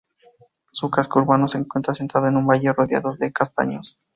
Su casco urbano se encuentra asentado en un valle rodeado de castaños.